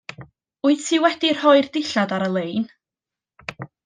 Wyt ti wedi rhoi'r dillad ar y lein?